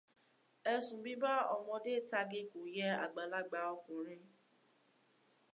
Ẹ̀sùn bíbá ọmọdé tage kò yẹ àgbàlagbà ọkùnrin